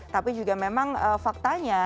tapi juga memang faktanya